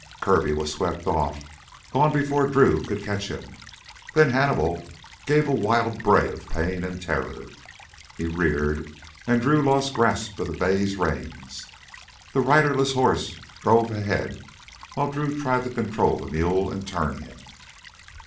Kirby was swept off, gone before Drew could catch him. Then Hannibal gave a wild bray of pain and terror. He reared and Drew lost grasp of the bay's reins. The riderless horse drove ahead while Drew tried to control the mule and turn him.